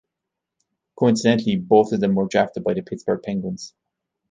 Coincidentally, both of them were drafted by the Pittsburgh Penguins.